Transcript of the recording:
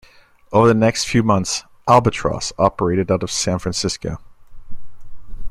Over the next few months, "Albatross" operated out of San Francisco.